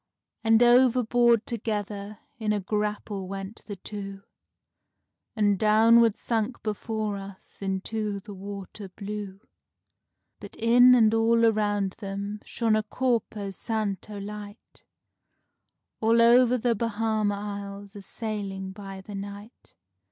And overboard together in a grapple went the two, And downward sunk before us into the water blue; But in and all around them shone a corpo santo light, All over the Bahama Isles a sailing by the night.